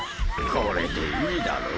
これでいいだろ？